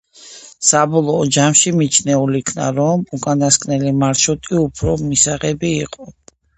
საბოლოო ჯამში მიჩნეულ იქნა, რომ უკანასკნელი მარშრუტი უფრო მისაღები იყო.